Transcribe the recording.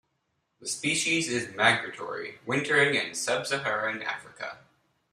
The species is migratory, wintering in sub-Saharan Africa.